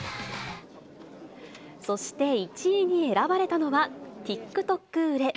そして１位に選ばれたのは、ＴｉｋＴｏｋ売れ。